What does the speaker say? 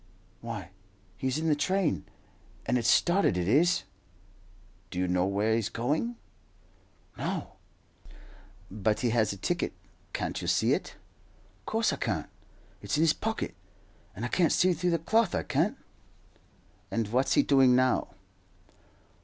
"Why, he's in the train, and it's started, it is." "Do you know where he's going?" "No." "But he has a ticket; can't you see it?" "Course I can't. It's in his pocket, and I can't see through the cloth, I can't." "And what's he doing now?"